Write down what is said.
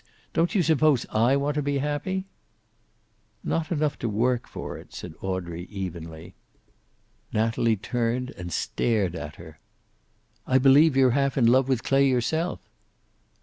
Don't you suppose I want to be happy?" "Not enough to work for it," said Audrey, evenly. Natalie turned and stared at her. "I believe you're half in love with Clay yourself!"